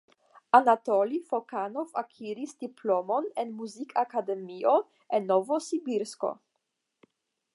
Anatolij Fokanov akiris diplomon en muzikakademio en Novosibirsko.